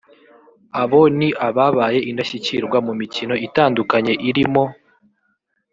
Abo ni ababaye indashyikirwa mu mikino itandukanye irimo